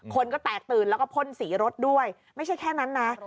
คนก็แตกตื่นแล้วก็พ่นสีรถด้วยไม่ใช่แค่นั้นนะ